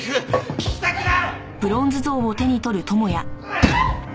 聞きたくない。